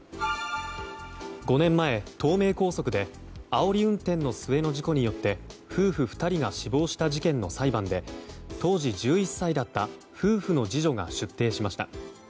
５年前、東名高速であおり運転の末の事故によって夫婦２人が死亡した事故の裁判で当時１１歳だった夫婦の次女が出廷しました。